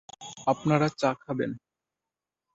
আপনারা চা খাবেন?